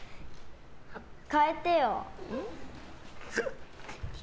変えてよ！